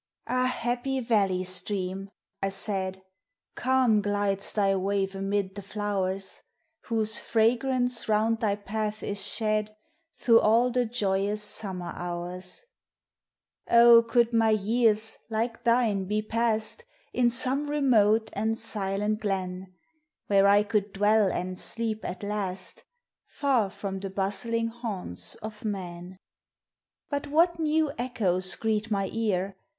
"Ah, happy valley stream!" I Baid, "Calm glides thy wave amid the floweri, Whose fragrance round thy path is shed Through all the joyous summer houi ,V 13 108 194 POEMS OF NATURE. " O, could my years, like thine, be passed In some remote and silent glen, Where I could dwell and sleep at last, Far from the bustling haunts of men!" But what new echoes greet my ear?